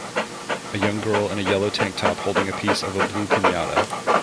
A young girl in a yellow tank top holding a piece of a blue pinata.